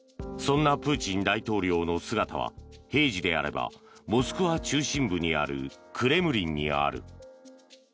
そんなプーチン大統領の姿は平時であればモスクワ中心部にあるクレムリンにある。